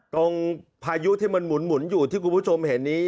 พายุที่มันหมุนอยู่ที่คุณผู้ชมเห็นนี้